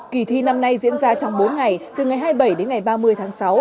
kỳ thi năm nay diễn ra trong bốn ngày từ ngày hai mươi bảy đến ngày ba mươi tháng sáu